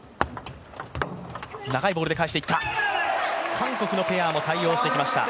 韓国のペアも対応してきました。